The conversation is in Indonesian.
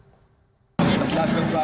sebelas februari informasinya demikian